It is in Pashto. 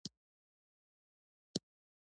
رومیان د پوستکي رنګ ښکلی ساتي